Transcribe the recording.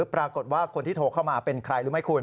ปรากฏว่าคนที่โทรเข้ามาเป็นใครรู้ไหมคุณ